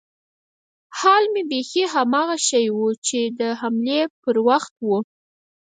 حال مې بيخي هماغه شى و چې د حملې پر وخت و.